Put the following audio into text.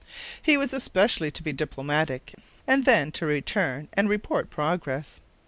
He was especially to be very diplomatic, and then to return and report progress.